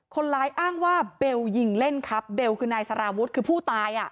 คนร้ายอ้างว่าเบลยิงเล่นครับเบลคือนายสารวุฒิคือผู้ตาย